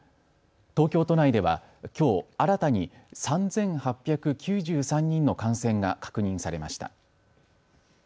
東京都内ではきょう新たに３８９３人の感染が確認されました。